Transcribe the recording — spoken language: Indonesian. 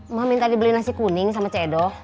emak minta dibeli nasi kuning sama cik edo